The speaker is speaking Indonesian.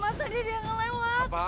pak ustaz kita harus kemana pak